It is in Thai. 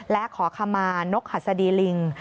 และขอคำมานกหัสดีลิง